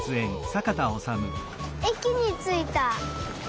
えきについた！